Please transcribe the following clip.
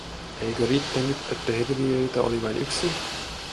Eikö riittänyt, että hirviöitä oli vain yksi?